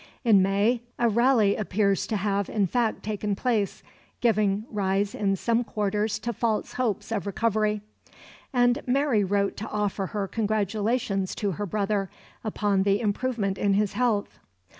In May a rally appears to have in fact taken place, giving rise in some quarters to false hopes of recovery, and Mary wrote to offer her congratulations to her brother upon the improvement in his health.